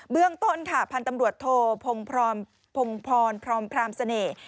เรื่องต้นค่ะพันธ์ตำรวจโทพงพงพรพร้อมพรามเสน่ห์